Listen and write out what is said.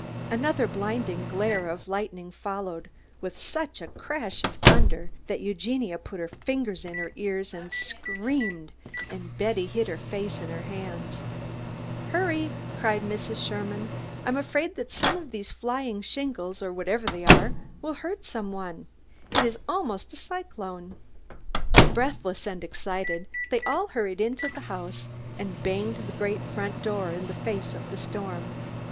Another blinding glare of lightning followed, with such a crash of thunder that Eugenia put her fingers in her ears and screamed, and Betty hid her face in her hands. "Hurry!" cried Mrs. Sherman. "I am afraid that some of these flying shingles, or whatever they are, will hurt some one. It is almost a cyclone." Breathless and excited, they all hurried into the house, and banged the great front door in the face of the storm.